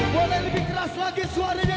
boleh dengar tampirnya